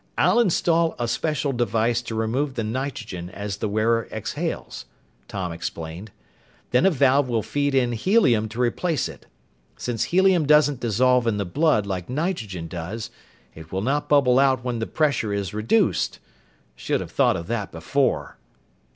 "I'll install a special device to remove the nitrogen as the wearer exhales," Tom explained. "Then a valve will feed in helium to replace it. Since helium doesn't dissolve in the blood like nitrogen does, it will not bubble out when the pressure is reduced. Should have thought of that before!"